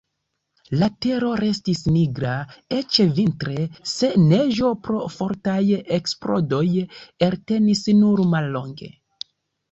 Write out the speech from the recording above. La tero restis nigra, eĉ vintre, se neĝo pro fortaj eksplodoj eltenis nur mallonge.